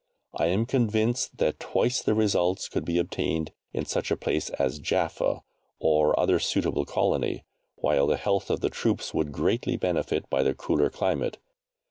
I am convinced that twice the results could be obtained in such a place as Jaffa, or other suitable colony, while the health of the troops would greatly benefit by the cooler climate.